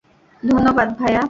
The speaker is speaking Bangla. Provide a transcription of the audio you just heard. ধন্যবাদ, ভায়া।